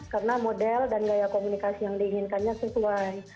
karena model dan gaya komunikasi yang diinginkannya sesuai